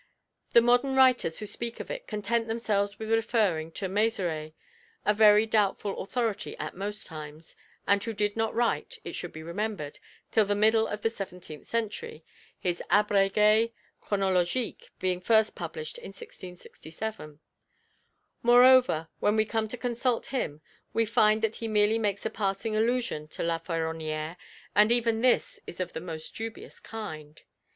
The modern writers who speak of it content themselves with referring to Mézeray, a very doubtful authority at most times, and who did not write, it should be remembered, till the middle of the seventeenth century, his Abrégé Chronologique being first published in 1667. Moreover, when we come to consult him we find that he merely makes a passing allusion to La Féronnière, and even this is of the most dubious kind.